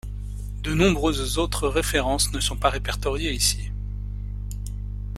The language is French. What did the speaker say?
De nombreuses autres références ne sont pas répertoriées ici.